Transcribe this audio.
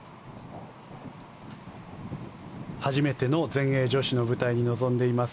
初めての全英女子の舞台に臨んでいます